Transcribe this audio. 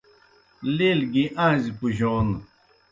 لیل گیْ آݩزیْ پُجون